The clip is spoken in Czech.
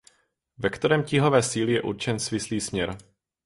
Vektorem tíhové síly je určen svislý směr.